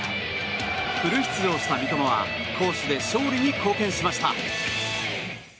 フル出場した三笘は攻守で勝利に貢献しました。